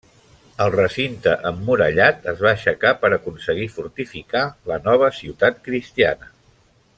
El recinte emmurallat es va aixecar per aconseguir fortificar la nova ciutat cristiana.